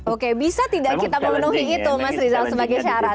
oke bisa tidak kita memenuhi itu mas rizal sebagai syarat